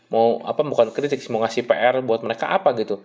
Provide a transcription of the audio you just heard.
mau apa bukan kritik mau ngasih pr buat mereka apa gitu